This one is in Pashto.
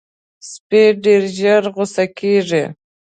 سپي ډېر ژر غصه کېږي.